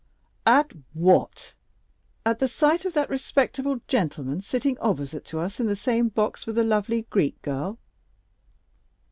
"At what? At the sight of that respectable gentleman sitting opposite to us in the same box with the lovely Greek girl?